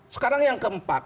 sekarang yang keempat